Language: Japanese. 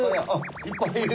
いっぱいいる。